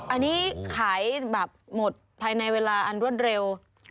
อันนี้ขายแบบหมดภายในเวลาอันรวดเร็ว